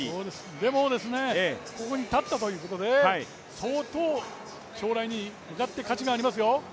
でも、ここにたったということで、相当、将来に向かって価値がありますよ。